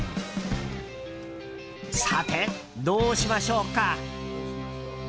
さて、どうしましょうか。